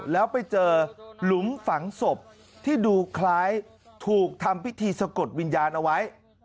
แล้วไปเจอหลุมฝังศพที่ดูคล้ายถูกทำพิธีสะกดวิญญาณเอาไว้